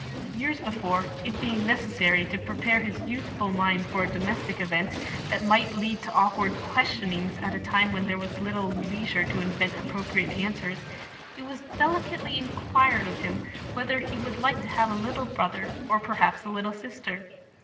Years before, it being necessary to prepare his youthful mind for a domestic event that might lead to awkward questionings at a time when there was little leisure to invent appropriate answers, it was delicately inquired of him whether he would like to have a little brother, or perhaps a little sister?